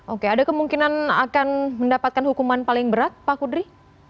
oke ada kemungkinan akan mendapatkan hukuman paling berat pak kudri